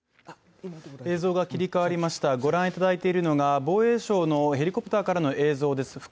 映像が切り替わりましたご覧いただいているのが防衛省のヘリコプターからの映像です